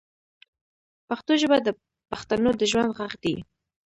پښتو ژبه د بښتنو د ژوند ږغ دی